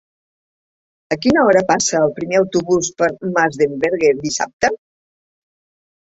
A quina hora passa el primer autobús per Masdenverge dissabte?